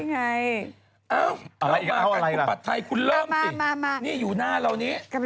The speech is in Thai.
นี่ไงเอ้าเรามากับคุณปัดไทยคุณเริ่มสินี่อยู่หน้าเรานี้อะไร